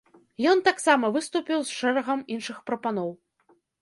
Ён таксама выступіў з шэрагам іншых прапаноў.